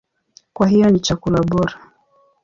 Kwa hiyo ni chakula bora.